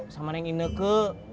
sama yang ini ke